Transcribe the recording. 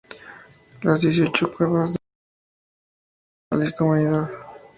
Las dieciocho cuevas más destacadas son Patrimonio de la Humanidad.